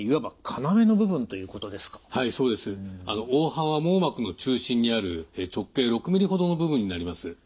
黄斑は網膜の中心にある直径６ｍｍほどの部分になります。